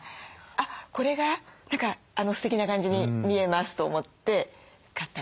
あっこれが何かステキな感じに見えますと思って買ったんです。